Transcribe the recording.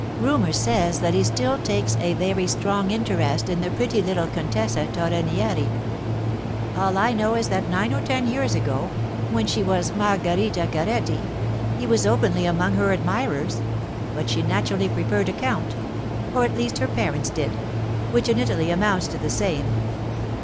'Rumour says that he still takes a very strong interest in the pretty little Contessa Torrenieri. All I know is that nine or ten years ago, when she was Margarita Carretti, he was openly among her admirers; but she naturally preferred a count—or at least her parents did, which in Italy amounts to the same.